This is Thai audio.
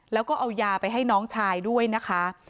แล้วก็เอายาไปให้น้องชายด้วยนะคะ